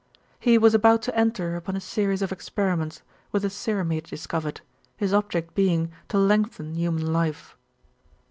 "He was about to enter upon a series of experiments with a serum he had discovered, his object being to lengthen human life."